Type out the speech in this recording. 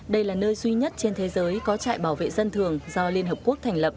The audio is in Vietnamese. đây là nơi duy nhất trên thế giới có trại bảo vệ dân thường do liên hợp quốc thành lập